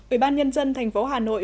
ủy ban nhân dân thành phố hà nội